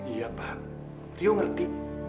iya pak rio ngerti